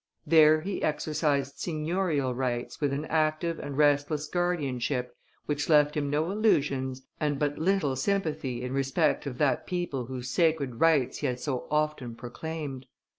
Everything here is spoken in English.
There he exercised signorial rights with an active and restless guardianship which left him no illusions and but little sympathy in respect of that people whose sacred rights he had so often proclaimed.